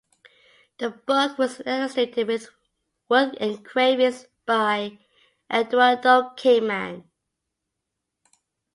The book was illustrated with wood engravings by Eduardo Kingman.